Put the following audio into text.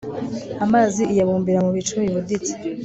amazi iyabumbira mu bicu bibuditse